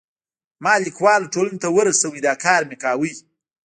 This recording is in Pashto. ما لیکوالو ټولنې ته ورسوی، دا کار مې کاوه.